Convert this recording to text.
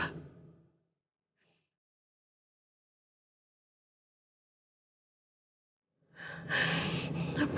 aku harus apa